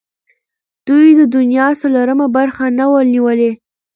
دوی د دنیا څلورمه برخه نه وه نیولې.